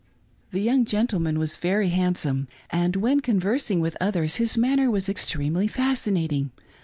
The young gentleman was very handsome, and when con versing with others his manner was extremely fascinating.